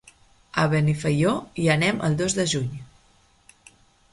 A Benifaió hi anem el dos de juny.